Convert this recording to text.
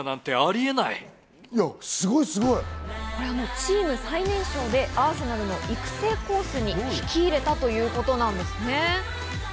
チーム最年少でアーセナルの育成コースに引き入れたということなんですね。